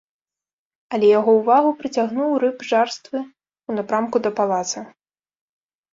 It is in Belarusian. Але яго ўвагу прыцягнуў рып жарствы ў напрамку да палаца.